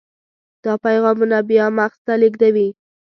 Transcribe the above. دا پیغامونه بیا مغز ته لیږدوي.